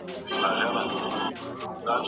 موږ نه له مار سره دوښمن وو